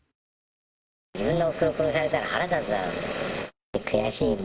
自分のおふくろ殺されたら、腹立つだろ。